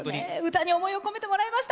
歌に思いを込めてもらいました。